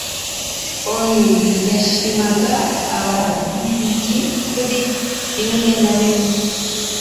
onu yashimaga ababiligi kuri bimwe na bimwe